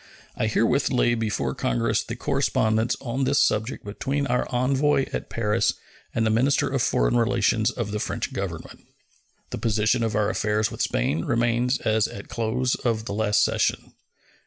I herewith lay before Congress the correspondence on this subject between our envoy at Paris and the minister of foreign relations of the French Government. The position of our affairs with Spain remains as at the close of the last session.